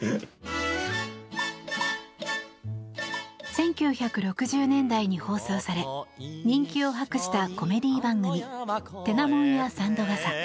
１９６０年代に放送され人気を博したコメディー番組「てなもんや三度笠」。